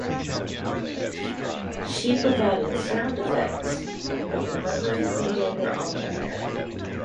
She provided sound effects for "The Mercury Theatre on the Air".